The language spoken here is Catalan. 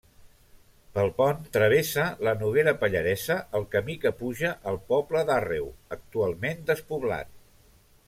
Pel pont travessa la Noguera Pallaresa el camí que puja al poble d'Àrreu, actualment despoblat.